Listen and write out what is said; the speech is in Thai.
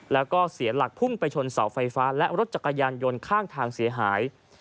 แล้วก็เสียหลักพุ่งไปชนเสาไฟฟ้าและรถจักรยานยนต์ข้างทางเสียหาย